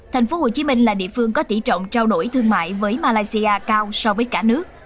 tp hcm là địa phương có tỷ trọng trao đổi thương mại với malaysia cao so với cả nước